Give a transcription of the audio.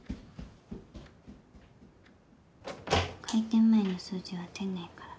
開店前の掃除は店内から。